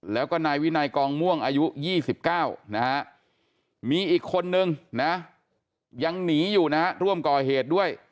แล้วก็นายวินัยกองม่วงอายุ๒๙นะฮะมีอีกคนนึงนะยังหนีอยู่นะฮะร่วมก่อเหตุด้วย